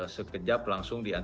sekejap langsung diatakan